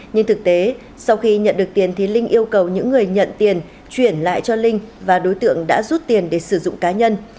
nhưng thực tế sau khi nhận được tiền thì linh yêu cầu những người nhận tiền chuyển lại cho linh và đối tượng đã rút tiền để sử dụng cá nhân